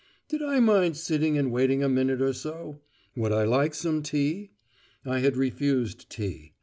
Did I mind sitting and waiting a minute or so? Would I like some tea? I had refused tea.